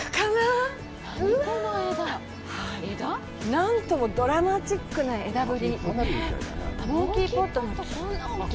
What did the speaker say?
何ともドラマチックな枝振り。